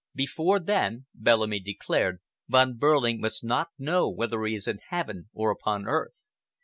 "Before then," Bellamy declared, "Von Behrling must not know whether he is in heaven or upon earth.